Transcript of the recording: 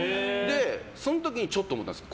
その時、ちょっと思ったんです。